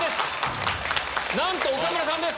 なんと岡村さんです！